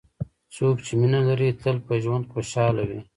څوک چې مینه لري، تل په ژوند خوشحال وي.